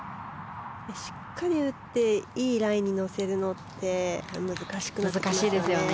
しっかり打っていいラインに乗せるのって難しいですよね。